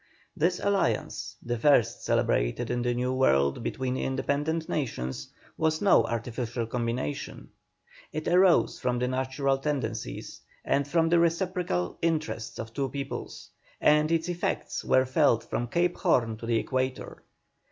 This alliance, the first celebrated in the New World between independent nations, was no artificial combination; it arose from the natural tendencies, and from the reciprocal interests of two peoples, and its effects were felt from Cape Horn to the Equator.